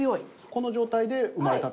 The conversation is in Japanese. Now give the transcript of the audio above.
この状態で生まれたという。